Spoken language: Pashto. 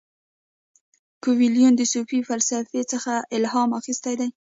کویلیو د صوفي فلسفې څخه الهام اخیستی دی.